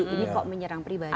ini kok menyerang pribadi